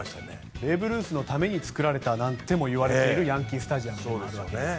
ベーブ・ルースのために作られたなんていうこともいわれているヤンキー・スタジアム。